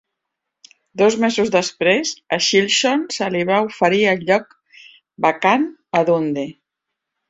Dos mesos després, a Chisholm se li va oferir el lloc vacant a Dundee.